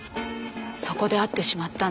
そこで会ってしまったんです。